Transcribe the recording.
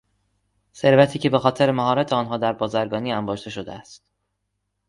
ثروتی که به خاطر مهارت آنها در بازرگانی انباشته شده است